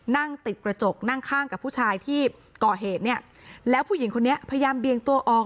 นั่งติดกระจกนั่งข้างกับผู้ชายที่ก่อเหตุเนี่ยแล้วผู้หญิงคนนี้พยายามเบียงตัวออก